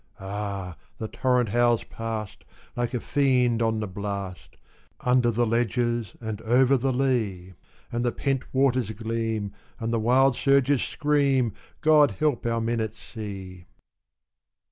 Ah! the torrent howls past, like a fiend on the blast, Under the ledges and over the lea; And the pent waters gleam, and the wild surges scream God help our men at sea!